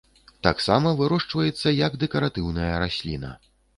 Таксама вырошчваецца як дэкаратыўная расліна.